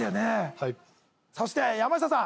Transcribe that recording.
はいそして山下さん